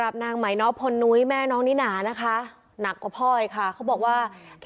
เบอร์ลูอยู่แบบนี้มั้งเยอะมาก